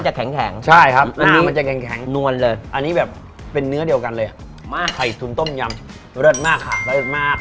ใช่ครับหน้ามันจะแข็งอันนี้แบบเป็นเนื้อเดียวกันเลยไข่สุนต้มยำเลิศมากค่ะ